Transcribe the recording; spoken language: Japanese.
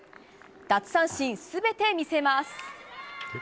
奪三振全て見せます。